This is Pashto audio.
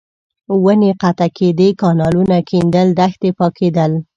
ونې قطع کېدې، کانالونه کېندل، دښتې پاکېدل.